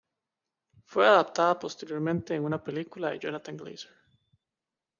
Fue adaptada posteriormente en una película de Jonathan Glazer.